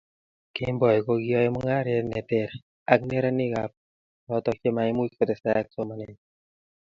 Kemboi ko kiyoei mungaret ne ter ak neranikb oloto chemaimuch kotesetai ak somanet